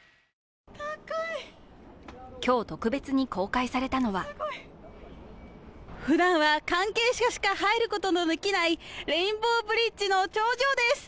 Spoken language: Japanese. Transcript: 今日、特別に公開されたのはふだんは関係者しか入ることのできないレインボーブリッジの頂上です。